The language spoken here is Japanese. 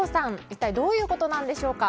一体どういうことなんでしょうか。